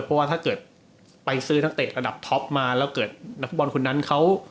เพราะว่าถ้าเกิดไปซื้อนักเตะระดับท็อปมาแล้วเกิดนักฟุตบอลคนนั้นเขา